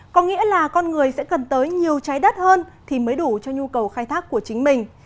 có nghĩa là con người sẽ cần tới nhiều trái đất hơn thì mới đủ cho nhu cầu khai thác của chính mình